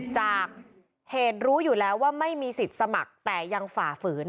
จากเหตุรู้อยู่แล้วว่าไม่มีสิทธิ์สมัครแต่ยังฝ่าฝืน